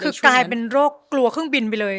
คือกลายเป็นโรคกลัวเครื่องบินไปเลย